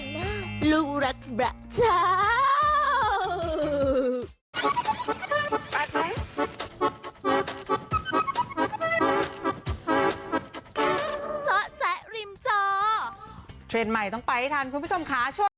นี่อย่างน้าลูกรักบะชาว